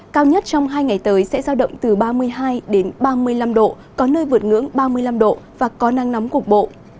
cao nhất trong hai ngày tới sẽ giao động từ ba mươi hai ba mươi năm độ có nơi vượt ngưỡng ba mươi năm độ và có nắng nóng cục bộ